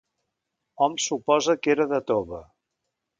Hom suposa que era de tova.